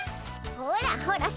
ほらほら